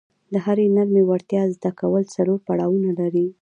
د هرې نرمې وړتیا زده کول څلور پړاونه لري.